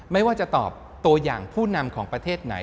ไม่ว่าจะตอบตัวอย่างผู้นำของประเทศไหน